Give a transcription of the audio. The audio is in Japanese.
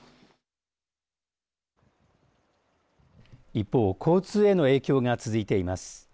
一方、交通への影響が続いています。